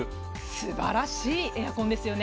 素晴らしいエアコンですよね。